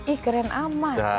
ih keren amat